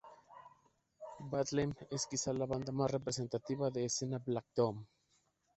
Bethlehem es quizá la banda más representativa de escena black doom.